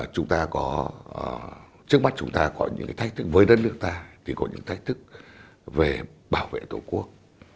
chúng ta có trước mắt chúng ta có những cái thách thức với đất nước ta thì có những thách thức về bảo vệ tổ quốc